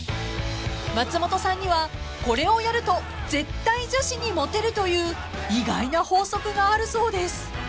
［松本さんにはこれをやると絶対女子にモテるという意外な法則があるそうです］